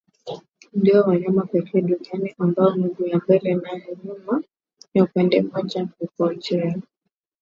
Ndio wanyama pekee duniani ambao miguu ya mbele naya nyima ya upande mmoja hujongea